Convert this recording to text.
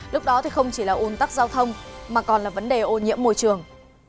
lúc đó thì không chỉ là ôn tắc giao thông mà còn là vấn đề ô nhiễm môi trường